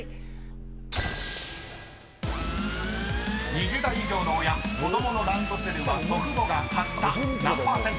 ［２０代以上の親子供のランドセルは祖父母が買った何％か］